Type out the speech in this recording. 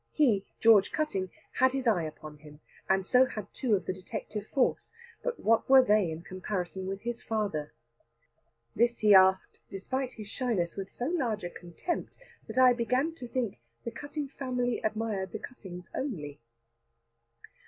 He, George Cutting, had his eye upon him, and so had two of the detective force; but what were they in comparison with his father? This he asked, despite his shyness, with so large a contempt, that I began to think the Cutting family admired the Cuttings only.